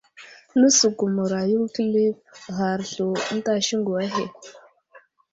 Nəsəkumərayo kəlif ghar slu ənta siŋgu ahe.